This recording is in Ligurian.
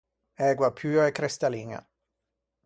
Ægua pua e crestalliña.